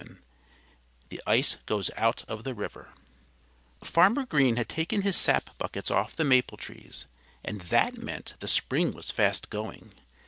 VII THE ICE GOES OUT OF THE RIVER Farmer Green had taken his sap buckets off the maple trees and that meant the spring was fast going.